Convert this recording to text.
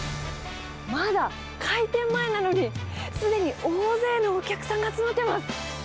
まだ開店前なのに、すでに大勢のお客さんが集まっています。